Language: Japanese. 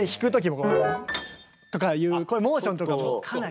こういうモーションとかもかなり。